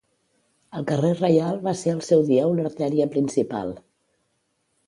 El carrer reial va ser al seu dia una artèria principal.